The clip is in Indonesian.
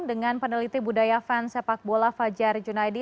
dengan peneliti budaya fans sepak bola fajar junaidi